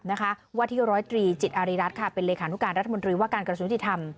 แม่ไปพบกับวัฒนีร้อยตรีจิตอาริรัตน์เป็นเลยคานุการรัฐมนตรีว่าการกระสุนติธรรม